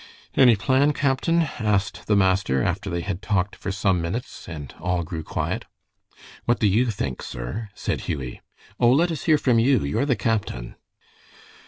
"Any plan, captain?" asked the master, after they had talked for some minutes, and all grew quiet. "What do you think, sir?" said Hughie. "O, let us hear from you. You're the captain."